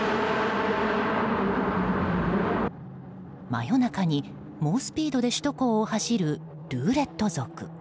真夜中に猛スピードで首都高を走る、ルーレット族。